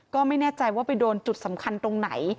ก็ไม่แน่ใจว่าไปโดนจุดสำคัญตรงไหน